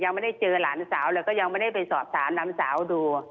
ยังไม่ได้เจอหลานสาวเลยก็ยังไม่ได้ไปสอบถามหลานสาวดู